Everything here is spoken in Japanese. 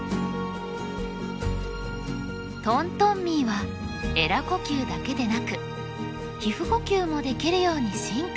トントンミーはえら呼吸だけでなく皮膚呼吸もできるように進化。